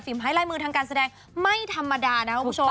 ฟิล์มไฟล์ไลน์มือทางการแสดงไม่ธรรมดานะครับคุณผู้ชม